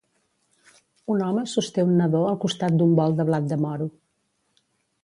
Un home sosté un nadó al costat d'un bol de blat de moro.